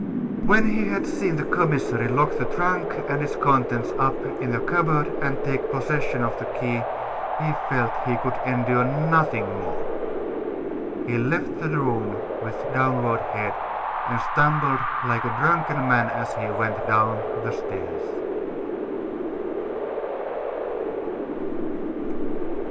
When he had seen the commissary lock the trunk and its contents up in a cupboard and take possession of the key, he felt he could endure nothing more. He left the room with downcast head; and stumbled like a drunken man as he went down the stairs.